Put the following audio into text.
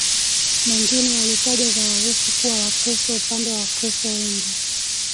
mengine yalitaja za Warusi kuwa Wakristo Upande wa Wakristo wengi